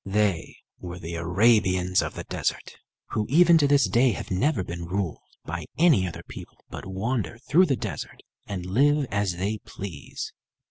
They were the Arabians of the desert, who even to this day have never been ruled by any other people, but wander through the desert, and live as they please.